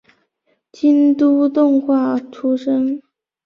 京都动画出身。